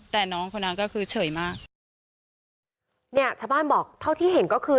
แต่น้องคนนั้นก็คือเฉยมากเนี่ยชาวบ้านบอกเท่าที่เห็นก็คือ